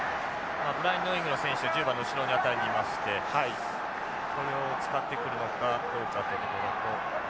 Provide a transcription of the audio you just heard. ウイングの選手１０番の後ろの辺りにいましてこれを使ってくるのかどうかっていうところと。